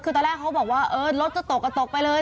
คือตอนแรกเขาบอกว่าเออรถก็ตกก็ตกไปเลย